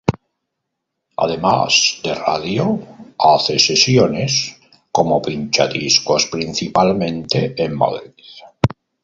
Además de radio hace sesiones como pinchadiscos principalmente en Madrid.